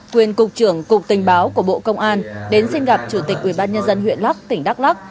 quyền cục trưởng cục tình báo của bộ công an đến xin gặp chủ tịch ubnd huyện lắc tỉnh đắk lắc